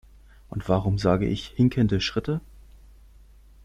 Und warum sage ich "hinkende Schritte" ?